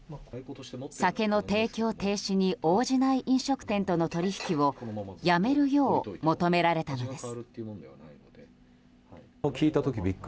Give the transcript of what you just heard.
酒の提供停止に応じない飲食店との取引をやめるよう求められたのです。